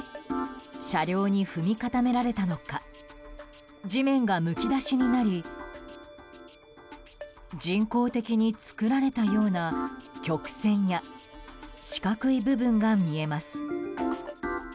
車両に踏み固められたのか地面がむき出しになり人工的に作られたような曲線や四角い部分が見えます。